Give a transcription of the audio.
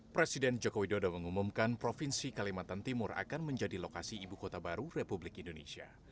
presiden joko widodo mengumumkan provinsi kalimantan timur akan menjadi lokasi ibu kota baru republik indonesia